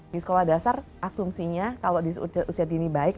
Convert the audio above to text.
di sekolah dasar asumsinya kalau di usia dini baik